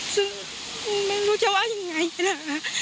ซึ่งไม่รู้จะว่ายังไงนะคะ